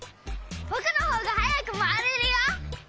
ぼくのほうがはやくまわれるよ！